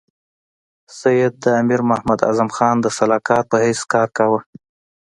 سید د امیر محمد اعظم خان د سلاکار په حیث کار کاوه.